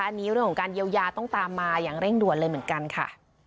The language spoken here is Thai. อันนี้เรื่องของการเยียวยาต้องตามมาอย่างเร่งด่วนเลยเหมือนกันค่ะ